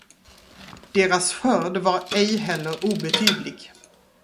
Deras skörd var ej heller obetydlig.